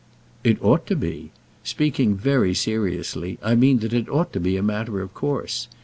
"It ought to be. Speaking very seriously, I mean that it ought to be a matter of course.